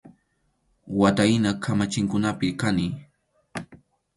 Wata hina kamachinkunapi kani.